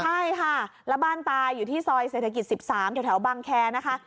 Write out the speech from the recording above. ใช่ค่ะแล้วบ้านตายอยู่ที่ซอยเศรษฐกิจ๑๓แถวบังแคร์นะคะ